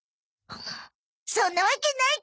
そんなわけないか！